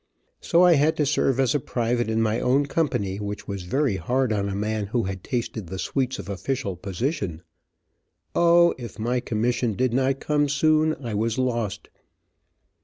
So I had to serve as a private in my own company, which was very hard on a man who had tasted the sweets of official position. O, if my commission did not come soon I was lost.